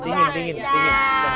udah dingin dingin dingin